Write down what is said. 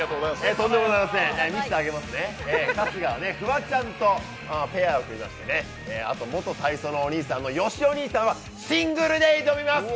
見せてあげますね、春日はフワちゃんとペアを組みましてあと元体操のお兄さんのよしお兄さんはシングルで挑みます。